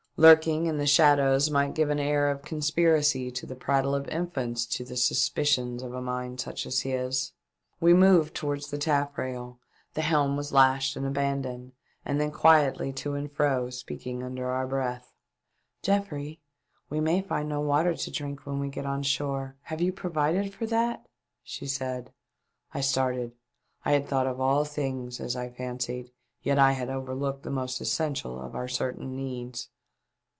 Lurking in the shadow 4/2 THE DEATH SHIP. might give an air of conspiracy to the prattle of infants to the suspicions of such a mind as his." We moved towards the taffrail — the helm was lashed and abandoned — and then quietly to and fro, speaking under our breath. "Geoffrey, we may find no water to drink when we get on shore ; have you provided for that .'*" she said. I started. I had thought of all things, as I fancied , yet I had overlooked the most essential of our certain needs.